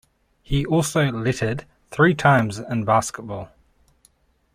He also lettered three times in basketball.